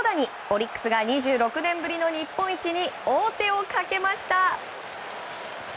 オリックスが２６年ぶりの日本一に王手をかけました。